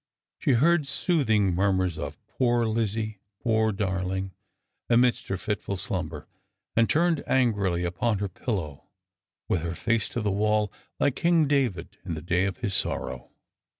She heard soothing murmurs of " poor Lizzie," ' poor darling," amidst her fitful slumber; and turned angrily upon her pillow, with her face to the wall, like king David in the day of his sorrow.